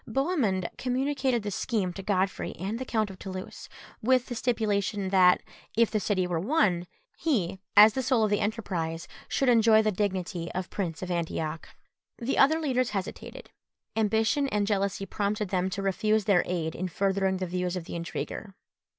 Bohemund communicated the scheme to Godfrey and the Count of Toulouse, with the stipulation that, if the city were won, he, as the soul of the enterprise, should enjoy the dignity of Prince of Antioch. The other leaders hesitated: ambition and jealousy prompted them to refuse their aid in furthering the views of the intriguer.